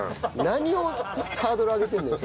何をハードル上げてんだよ